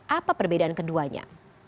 apa perbedaan keduanya